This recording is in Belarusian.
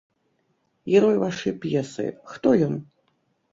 Герой вашай п'есы, хто ён?